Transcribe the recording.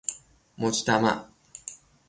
مجتمع